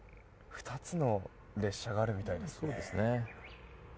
２つの列車があるみたいですね。